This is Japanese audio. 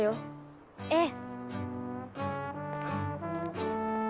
ええ。